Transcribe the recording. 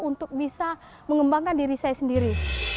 untuk bisa mengembangkan diri saya sendiri